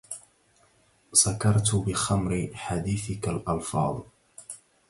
سكرت بخمر حديثك الألفاظ